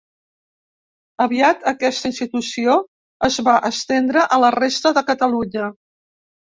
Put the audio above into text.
Aviat, aquesta institució es va estendre a la resta de Catalunya.